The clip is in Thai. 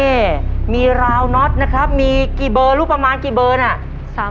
มีราวน็อตนะครับมีกี่เบอร์ลูกประมาณกี่เบอร์น่ะ